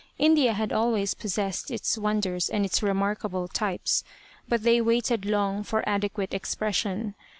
India had always possessed its wonders and its remarkable types, but they waited long for adequate expression.